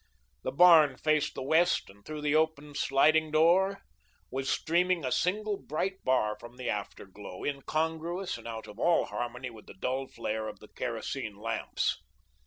The barn faced the west and through the open sliding doors was streaming a single bright bar from the after glow, incongruous and out of all harmony with the dull flare of the kerosene lamps.